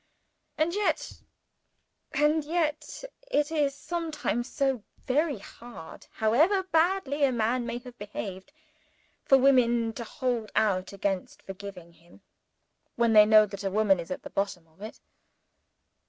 And yet and yet it is sometimes so very hard, however badly a man may have behaved, for women to hold out against forgiving him, when they know that a woman is at the bottom of it.